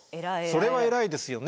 それは偉いですよね。